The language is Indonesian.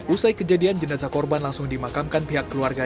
usai kejadian jenazah korban langsung dimakamkan pihak keluarga